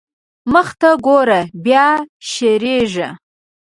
مخته ګوره بيا شېرېږا.